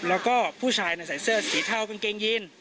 แล้วก็ผู้ชายใส่เสื้อสีเทากางเกงยีน